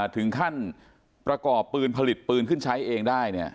ถึงขั้นประกอบปืนผลิตปืนขึ้นใช้เองได้